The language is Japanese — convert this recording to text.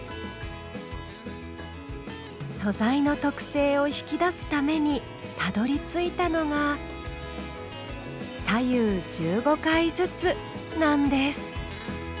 素材の特性を引き出すためにたどりついたのが「左右１５回ずつ」なんです。